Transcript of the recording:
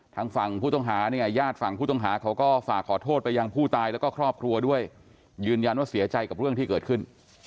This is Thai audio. ทางฝั่งผู้ต้องหาเนี่ยญาติฝั่งผู้ต้องหาเขาก็ฝากขอโทษไปยังผู้ตายแล้วก็ครอบครัวด้วยยืนยันว่าเสียใจกับเรื่องที่เกิดขึ้น